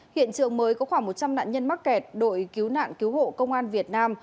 hiện trường mới có khoảng một trăm linh nạn nhân mắc kẹt đội cứu nạn cứu hộ công an việt nam